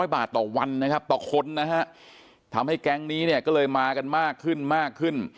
บาทต่อวันนะครับต่อคนนะฮะทำให้แก๊งนี้เนี่ยก็เลยมากันมากขึ้นมากขึ้น